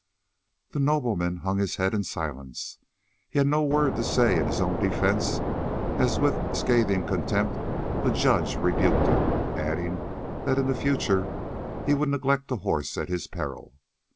The nobleman hung his head in silence; he had no word to say in his own defence as with scathing contempt the judge rebuked him, adding that in future he would neglect the horse at his peril.